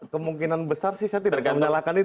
kemungkinan besar sih saya tidak bisa menyalahkan itu